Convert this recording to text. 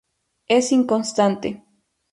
Es inconstante.